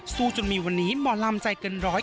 จนมีวันนี้หมอลำใจเกินร้อย